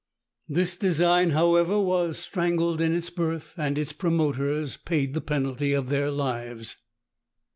This design, however, was strangled in its birth, and its promoters paid the penalty of their lives.